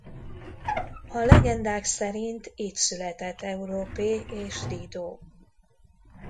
A legendák szerint itt született Európé és Dido.